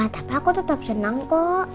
tapi aku tetap senang kok